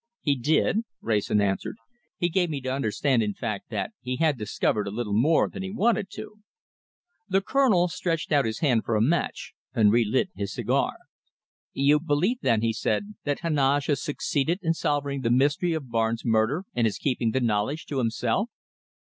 "He did," Wrayson answered. "He gave me to understand, in fact, that he had discovered a little more than he wanted to." The Colonel stretched out his hand for a match, and relit his cigar. "You believe, then," he said, "that Heneage has succeeded in solving the mystery of Barnes' murder, and is keeping the knowledge to himself?"